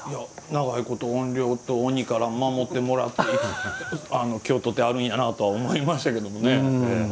長いこと、怨霊と鬼から守ってもらって京都ってあるんやなって思いましたけどね。